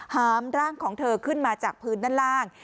หามร่างของเธอขึ้นมาจากพื้นด้านล่าง